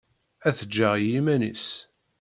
Ad t-ǧǧeɣ i yiman-is.